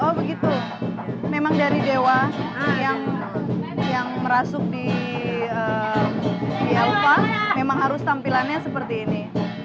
oh begitu memang dari dewa yang merasuk di eropa memang harus tampilannya seperti ini